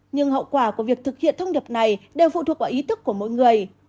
nhưng hậu quả của việc thực hiện thông điệp này đều phụ thuộc vào ý thức của mỗi người